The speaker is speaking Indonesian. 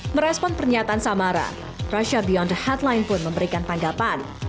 merespon pernyataan samara rusha beyond the headline pun memberikan tanggapan